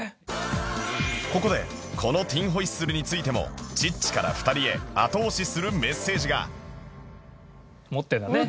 ここでこのティン・ホイッスルについてもちっちから２人へ後押しするメッセージが持ってるんだね。